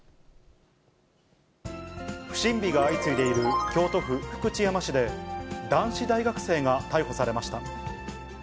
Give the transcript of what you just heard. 不審火が相次いでいる京都府福知山市で、男子大学生が逮捕されました。